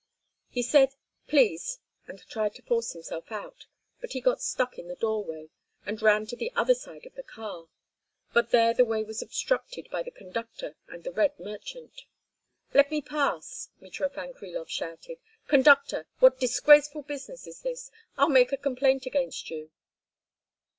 He said "Please," and tried to force himself out, but he got stuck in the doorway and ran to the other side of the car. But there the way was obstructed by the conductor and the red merchant. "Let me pass," Mitrofan Krilov shouted. "Conductor, what disgraceful business is this? I'll make a complaint against you!"